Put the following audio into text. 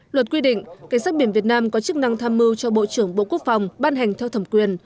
luật quy định cảnh sát biển việt nam có chức năng tham mưu cho bộ trưởng bộ quốc phòng ban hành theo thẩm quyền